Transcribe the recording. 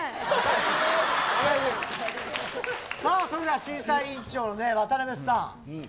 それでは審査員長の渡辺さん。